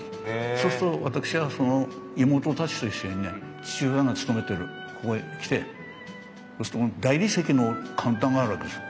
そうすると私はその妹たちと一緒にね父親が勤めてるここへ来てそうすると大理石のカウンターがあるわけですよ